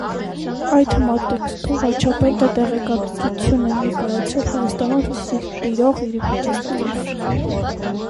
Այդ համատեքստում, վարչապետը տեղեկատվություն է ներկայացրել Հայաստանում տիրող իրավիճակի մասին։